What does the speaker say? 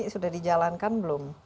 sudah dijalankan belum